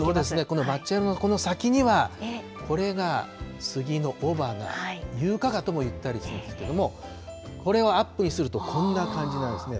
この抹茶色のこの先には、これがスギの雄花、ゆうかがともいったりするんですけれども、これをアップにするとこんな感じなんですね。